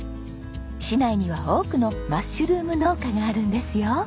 市内には多くのマッシュルーム農家があるんですよ。